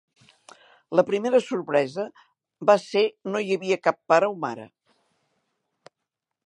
La primera sorpresa va ser no hi havia cap pare o mare.